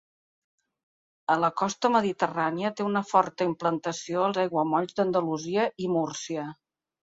A la costa mediterrània té una forta implantació als aiguamolls d'Andalusia i Múrcia.